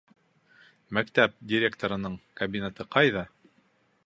Мәктәп директорының кабинеты ҡайҙа?